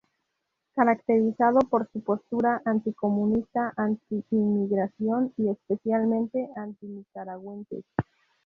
Caracterizado por su postura anticomunista, anti-inmigración y, especialmente, anti-nicaragüenses.